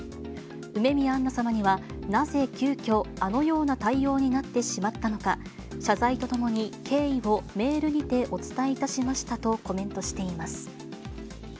梅宮アンナ様には、なぜ急きょ、あのような対応になってしまったのか、謝罪とともに、経緯をメールにてお伝えいたしましたとコメントしています。